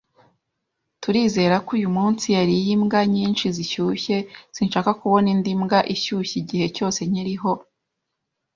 Turizera ko uyu munsi yariye imbwa nyinshi zishyushye. Sinshaka kubona indi mbwa ishyushye igihe cyose nkiriho